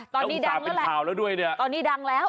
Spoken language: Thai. ตอนนี้ดังแล้วตอนนี้ดังแล้ว